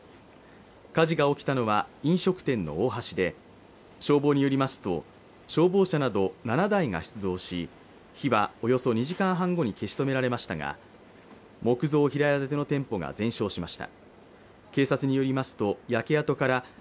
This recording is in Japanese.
火事が起きたのは飲食店のおおはしで消防によりますと、消防車など７台が出動し、火はおよそ２時間半後に消し止められましたが木造平屋建ての店舗が全焼しました。